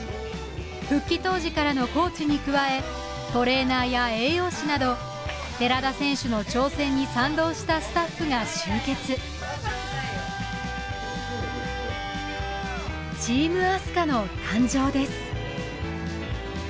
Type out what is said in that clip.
復帰当時からのコーチに加えトレーナーや栄養士など寺田選手の挑戦に賛同したスタッフが集結チームあすかの誕生です